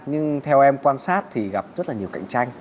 nhưng theo em quan sát thì gặp rất là nhiều cạnh tranh